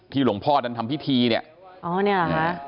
ที่หลวงพ่อท่านทำพิธีเนี่ย